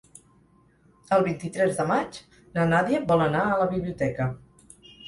El vint-i-tres de maig na Nàdia vol anar a la biblioteca.